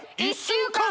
「１週間！」